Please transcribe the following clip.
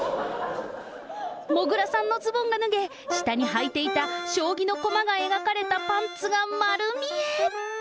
もぐらさんのズボンが脱げ、下にはいていた将棋の駒が描かれたパンツが丸見え。